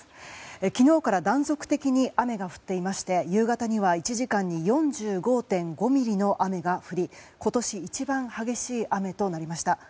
昨日から断続的に雨が降っていまして夕方には１時間に４５．５ミリの雨が降り今年一番激しい雨となりました。